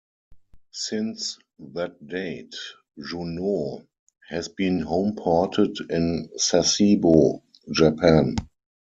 Since that date, "Juneau" has been homeported in Sasebo, Japan.